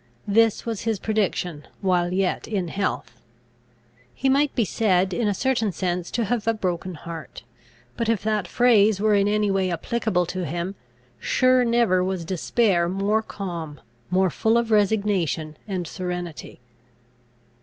This was his prediction, while yet in health. He might be said, in a certain sense, to have a broken heart. But, if that phrase were in any way applicable to him, sure never was despair more calm, more full of resignation and serenity.